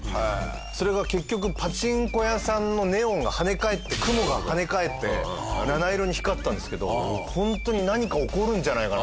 それが結局パチンコ屋さんのネオンがはね返って雲がはね返って七色に光ったんですけどホントに何か起こるんじゃないかなと思いましたもんね。